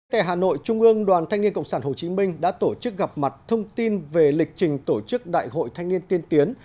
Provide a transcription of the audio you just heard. tại hà nội trung ương đoàn thanh niên cộng sản hồ chí minh đã tổ chức gặp mặt thông tin về lịch trình tổ chức đại hội thanh niên tiên tiến